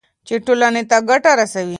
چې ټولنې ته ګټه رسوي.